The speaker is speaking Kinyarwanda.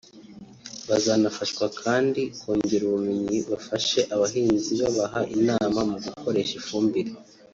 Bazanafashwa kandi kongera ubumenyi bafashe abahinzi babaha inama mu gukoresha ifumbire